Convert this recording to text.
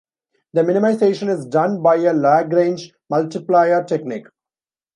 The minimization is done by a Lagrange multiplier technique.